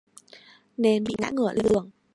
Nên bị ngã ngửa lên giường